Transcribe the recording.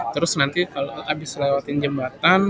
terus nanti kalau habis lewatin jembatan